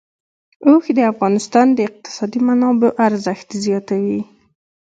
اوښ د افغانستان د اقتصادي منابعو ارزښت زیاتوي.